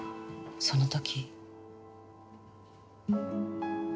その時。